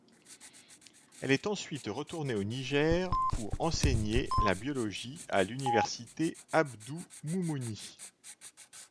Elle est ensuite retournée au Niger pour enseigner la biologie à l'Université Abdou-Moumouni.